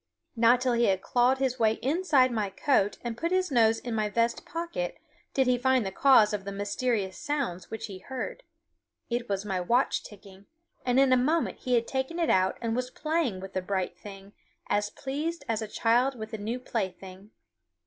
Not till he had clawed his way inside my coat and put his nose in my vest pocket did he find the cause of the mysterious sounds which he heard. It was my watch ticking, and in a moment he had taken it out and was playing with the bright thing, as pleased as a child with a new plaything.